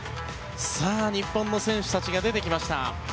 日本の選手たちが出てきました。